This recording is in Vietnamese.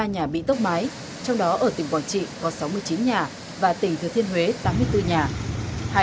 một trăm năm mươi ba nhà bị tốc máy trong đó ở tỉnh quảng trị có sáu mươi chín nhà và tỉnh thừa thiên huế tám mươi bốn nhà